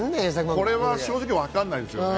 これは正直わかんないですよね。